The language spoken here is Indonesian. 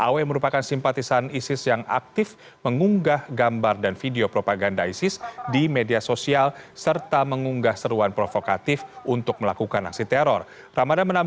kami akan mencari penangkapan teroris di wilayah hukum sleman